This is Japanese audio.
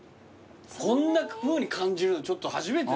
こんなふうに感じるのちょっと初めてだね。